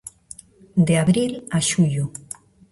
De abril a xullo.